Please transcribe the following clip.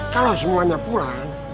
kalau semuanya pulang